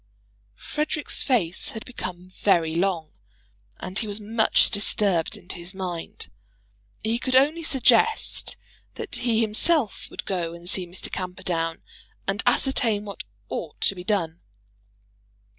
Frederic's face had become very long, and he was much disturbed in his mind. He could only suggest that he himself would go and see Mr. Camperdown, and ascertain what ought to be done.